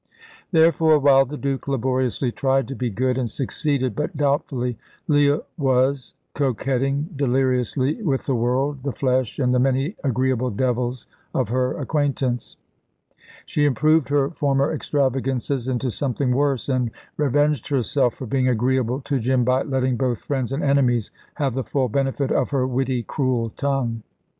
Therefore, while the Duke laboriously tried to be good, and succeeded but doubtfully, Leah was coquetting deliriously with the world, the flesh, and the many agreeable devils of her acquaintance. She improved her former extravagances into something worse, and revenged herself for being agreeable to Jim by letting both friends and enemies have the full benefit of her witty, cruel tongue.